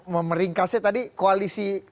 meringkasnya tadi koalisi